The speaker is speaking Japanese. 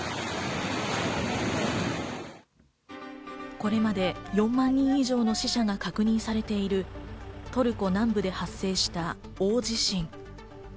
これまで４万人以上の死者が確認されているトルコ南部で発生した大地震。